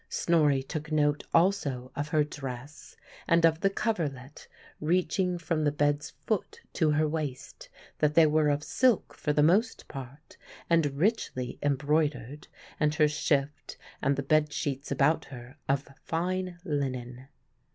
Snorri took note also of her dress and of the coverlet reaching from the bed's foot to her waist, that they were of silk for the most part, and richly embroidered, and her shift and the bed sheets about her of fine linen.